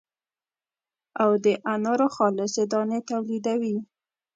او د انارو خالصې دانې تولیدوي.